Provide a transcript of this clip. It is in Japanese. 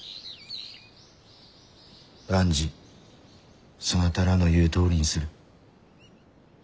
万事そなたらの言うとおりにする。